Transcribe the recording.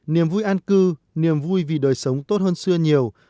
niềm vui an cư niềm vui vì đời sống tốt hơn xưa nhiều